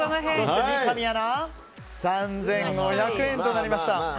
三上アナが３５００円となりました。